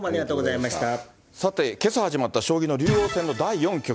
さて、けさ始まった将棋の竜王戦の第４局。